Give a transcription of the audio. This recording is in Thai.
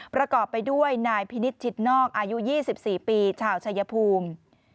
ประกอบไปด้วยนายพินิษฐชิดนอกอายุ๒๔ปีชาวชายภูมิ